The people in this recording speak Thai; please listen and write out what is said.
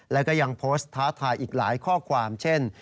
แล้วก็ยังโพสต์ท้าทายอีกหลายข้อความเช่น